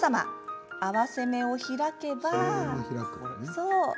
そう。